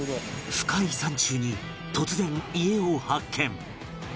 深い山中に突然家を発見！